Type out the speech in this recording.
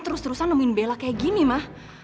terus terusan nemuin bella kayak gini ma